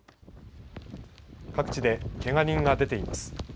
各地で、けが人が出ています。